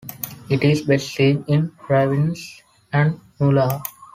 It is best seen in ravines and nullahs.